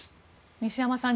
西山さん